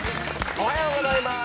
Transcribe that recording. おはようございます。